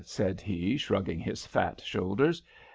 _" said he, shrugging his fat shoulders.